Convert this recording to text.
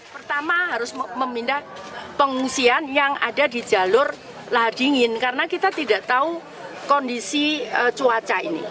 pertama harus memindah pengungsian yang ada di jalur lahar dingin karena kita tidak tahu kondisi cuaca ini